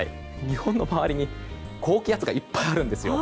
日本の周りに高気圧がいっぱいあるんですよ。